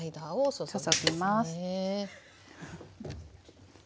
注ぎます。